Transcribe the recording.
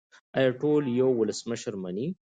آیا ټول یو ولسمشر مني؟